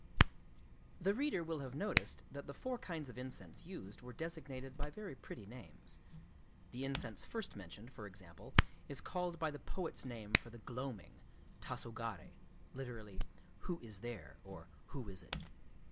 The reader will have noticed that the four kinds of incense used were designated by very pretty names. The incense first mentioned, for example, is called by the poets' name for the gloaming,—Tasogaré (lit: "Who is there?" or " Who is it?")